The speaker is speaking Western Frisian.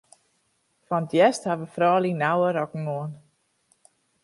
Fan 't hjerst hawwe froulju nauwe rokken oan.